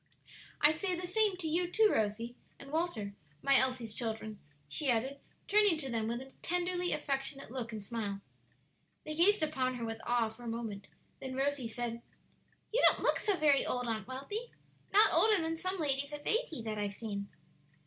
"I say the same to you, too, Rosie and Walter, my Elsie's children," she added, turning to them with a tenderly affectionate look and smile. They gazed upon her with awe for a moment; then Rosie said, "You don't look so very old, Aunt Wealthy; not older than some ladies of eighty that I've seen."